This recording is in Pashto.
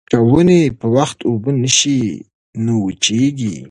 که ونې په وخت اوبه نه شي نو وچېږي.